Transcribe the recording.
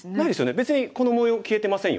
別にこの模様消えてませんよね。